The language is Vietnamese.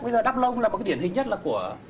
bây giờ đắk lông là một cái điển hình nhất là của